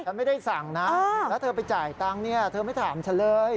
ฉันไม่ได้สั่งนะแล้วเธอไปจ่ายตังค์เนี่ยเธอไม่ถามฉันเลย